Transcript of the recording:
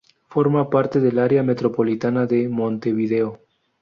Forma parte del Área Metropolitana de Montevideo.